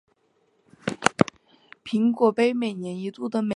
苹果杯每年一度的美式足球比赛。